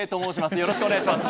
よろしくお願いします。